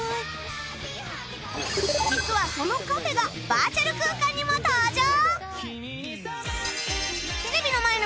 実はそのカフェがバーチャル空間にも登場！